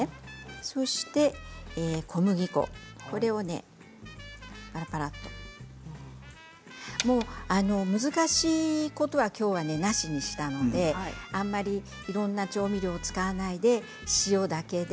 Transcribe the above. そして小麦粉これもパラパラっと今日は難しいことなしにしたのであんまりいろんな調味料を使わないで塩だけで。